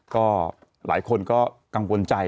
ก็หลายคนก็กังวลใจ